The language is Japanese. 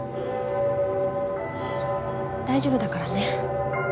大丈夫だからね